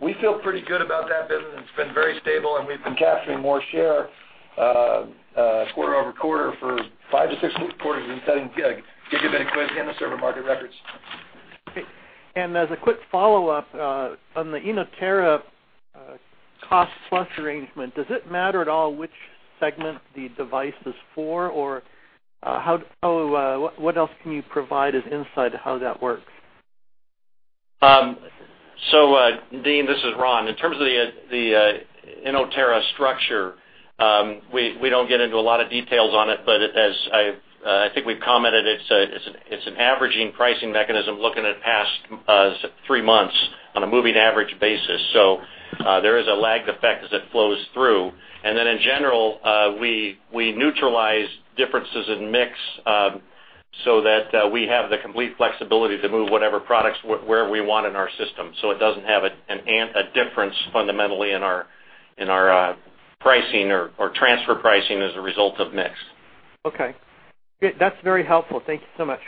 Speaker 5: We feel pretty good about that business. It's been very stable, and we've been capturing more share quarter-over-quarter for 5-6 quarters and setting gigabit equipment and the server market records.
Speaker 15: Great. As a quick follow-up, on the Inotera cost plus arrangement, does it matter at all which segment the device is for? What else can you provide as insight how that works?
Speaker 4: Dean, this is Ron. In terms of the Inotera structure, we don't get into a lot of details on it, but as I think we've commented, it's an averaging pricing mechanism looking at past three months on a moving average basis. There is a lagged effect as it flows through. In general, we neutralize differences in mix so that we have the complete flexibility to move whatever products where we want in our system. It doesn't have a difference fundamentally in our pricing or transfer pricing as a result of mix.
Speaker 15: Okay. Great. That's very helpful. Thank you so much.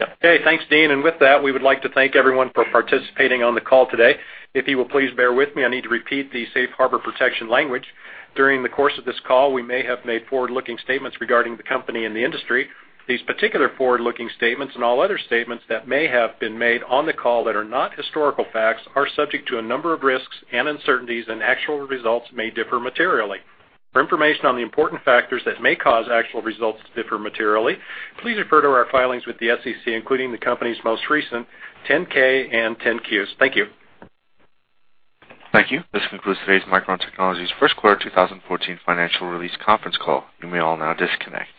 Speaker 2: Yep. Okay. Thanks, Dean. With that, we would like to thank everyone for participating on the call today. If you will please bear with me, I need to repeat the safe harbor protection language. During the course of this call, we may have made forward-looking statements regarding the company and the industry. These particular forward-looking statements and all other statements that may have been made on the call that are not historical facts are subject to a number of risks and uncertainties, and actual results may differ materially. For information on the important factors that may cause actual results to differ materially, please refer to our filings with the SEC, including the company's most recent 10-K and 10-Qs. Thank you.
Speaker 1: Thank you. This concludes today's Micron Technology's first quarter 2014 financial release conference call. You may all now disconnect.